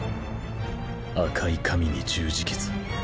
赤い髪に十字傷